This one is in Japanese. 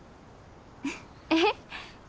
えっ？